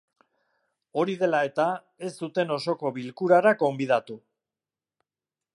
Hori dela eta, ez zuten osoko bilkurara gonbidatu.